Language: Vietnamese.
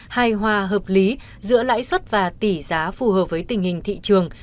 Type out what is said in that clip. hài hòa hợp lý giữa lãi suất và tỷ giá phù hợp với tình hình thị trường